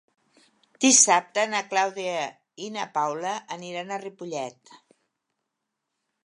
Dissabte na Clàudia i na Paula aniran a Ripollet.